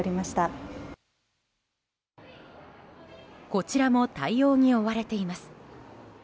こちらも対応に追われています。